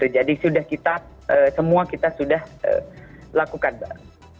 jadi semua kita sudah lakukan mbak